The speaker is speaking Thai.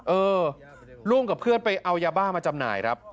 เออร่วมกับเพื่อนไปเอายาบ้ามาจำหน่ายครับ